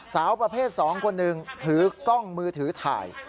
สาวประเภท๒คนหนึ่งถือกล้องมือถือถ่าย